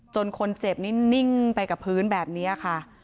คนเจ็บนี่นิ่งไปกับพื้นแบบนี้ค่ะ